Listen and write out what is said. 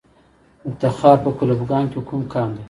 د تخار په کلفګان کې کوم کان دی؟